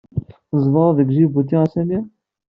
Tzedɣeḍ deg Ǧibuti a Sami?